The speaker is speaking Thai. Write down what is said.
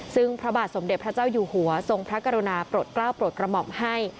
ซึ่งพระบาทสมเด็จพระเจ้าอยู่หัวทรงพระกรุณาปลดกล้าวโปรดกระหม่อมให้